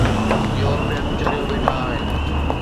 European چريو ويٺا آهن.